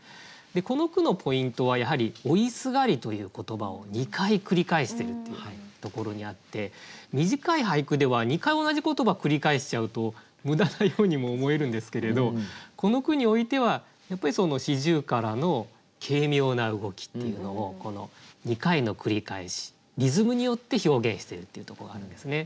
この句のポイントはやはり「追ひすがり」という言葉を２回繰り返してるっていうところにあって短い俳句では２回同じ言葉繰り返しちゃうと無駄なようにも思えるんですけれどこの句においてはやっぱり四十雀の軽妙な動きっていうのをこの２回の繰り返しリズムによって表現しているっていうとこがあるんですね。